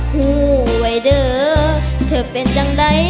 หู้ว่าเดอร์เธอเป็นจังได้อ้ายเธอ